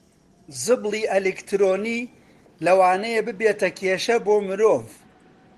زبڵی ئەلیکترۆنی لەوانەیە ببێتە کێشە بۆ مرۆڤ